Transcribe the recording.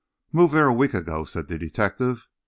"Moved there a week ago," said the detective.